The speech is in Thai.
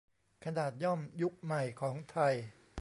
ขนาดย่อมยุคใหม่ของไทย